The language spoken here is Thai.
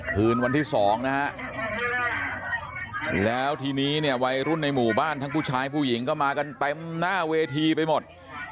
คืนวันที่๒นะฮะแล้วทีนี้เนี่ยวัยรุ่นในหมู่บ้านทั้งผู้ชายผู้หญิงก็มากันเต็มหน้าเวทีไปหมด